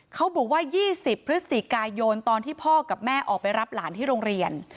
เขาบอกว่า๒๐พฤศจิกายนตอนที่พ่อกับแม่ออกไปรับหลานที่โรงเรียน